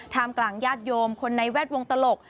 กลางญาติโยมคนในแวดวงตลก